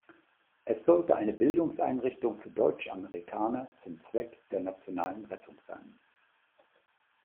Es sollte eine Bildungseinrichtung für Deutschamerikaner zum Zweck der „nationalen Rettung“ sein.